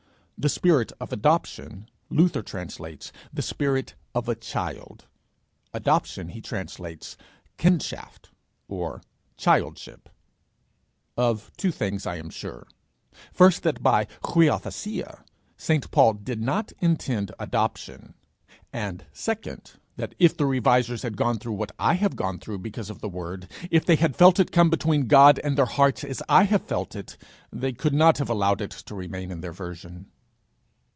"The spirit of adoption" Luther translates "the spirit of a child;" adoption he translates kindschaft, or childship' Of two things I am sure first, that by niothesia St. Paul did not intend adoption; and second, that if the Revisers had gone through what I have gone through because of the word, if they had felt it come between God and their hearts as I have felt it, they could not have allowed it to remain in their version.